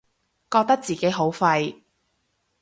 覺得自己好廢